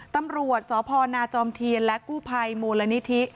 ตำรวจสพนาจอมเทียนและกู้ภัยมูลนิธิ